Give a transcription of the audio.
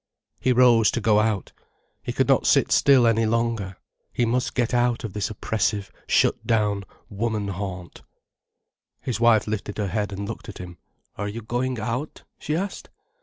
He rose to go out. He could not sit still any longer. He must get out of this oppressive, shut down, woman haunt. His wife lifted her head and looked at him. "Are you going out?" she asked.